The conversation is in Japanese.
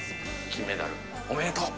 金メダル、おめでとう！